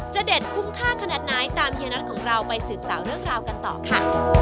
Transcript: เด็ดคุ้มค่าขนาดไหนตามเฮียนัทของเราไปสืบสาวเรื่องราวกันต่อค่ะ